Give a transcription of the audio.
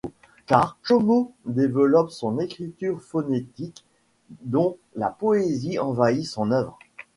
Car Chomo développe son écriture phonétique dont la poésie envahit son œuvre.